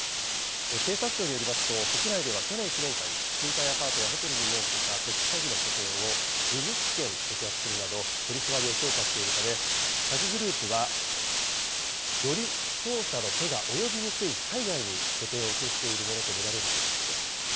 警察庁によりますと、国内では去年１年間に、賃貸アパートやホテルに設けた特殊詐欺の拠点を２０件摘発するなど、取締りを強化しているため、詐欺グループは、より捜査の手が及びにくい海外に拠点を移していると見られるということです。